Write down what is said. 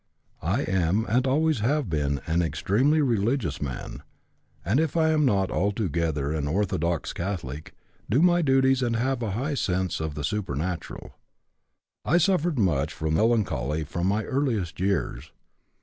I am and always have been an extremely religious man, and if I am not altogether an orthodox Catholic, do my duties and have a high sense of the supernatural. I suffered much from melancholy from my earliest years.